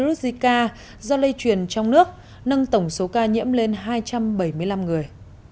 virus zika do lây truyền trong nước nâng tổng số ca nhiễm lên hai trăm bảy mươi năm người